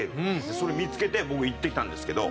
それ見つけて僕行ってきたんですけど。